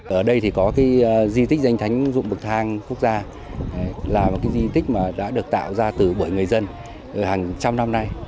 ở đây thì có cái di tích danh thánh dụng bậc thang quốc gia là một cái di tích mà đã được tạo ra từ bởi người dân hàng trăm năm nay